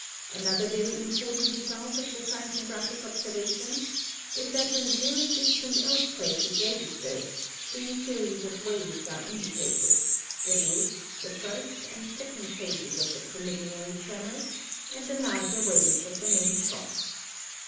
Another very DIASTROPHISM 103 important result of the seismographic observations is that when a very distant earthquake is registered, three series of waves are indicated, viz., the 1st and 2d phases of the preliminary tremors, and the larger waves of the main shock.